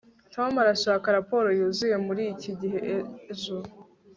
tom arashaka raporo yuzuye muriki gihe ejo